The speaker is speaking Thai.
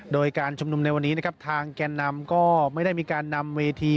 โดยการชุมนุมในวันนี้นะครับทางแก่นำก็ไม่ได้มีการนำเวที